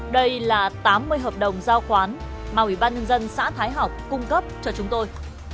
đây là tám mươi hợp đồng giao khoán mà ủy ban nhân dân xã thái học cung cấp cho chúng tôi